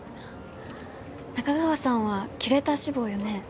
仲川さんはキュレーター志望よね？